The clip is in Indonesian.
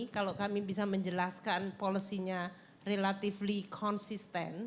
kalau kami bisa menjelaskan policy nya relatively consisten